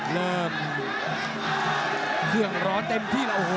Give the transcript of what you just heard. ตีลูกกลายใดแล้วโหเอ้าโห